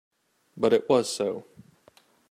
But it was so.